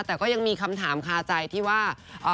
แต่ก็ยังมีคำถามคาใจที่ว่า